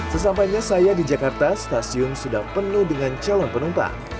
sesampainya saya di jakarta stasiun sudah penuh dengan calon penumpang